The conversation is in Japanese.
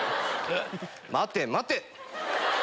待て待て。